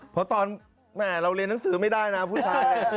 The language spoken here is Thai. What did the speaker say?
เพราะตอนแม่เราเรียนหนังสือไม่ได้นะผู้ชาย